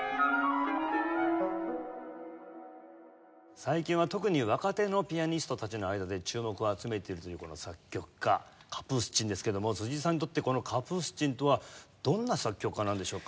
最近は特に若手のピアニストたちの間で注目を集めているというこの作曲家カプースチンですけれども辻井さんにとってこのカプースチンとはどんな作曲家なんでしょうか？